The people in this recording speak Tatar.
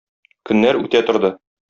Көннәр үтә торды.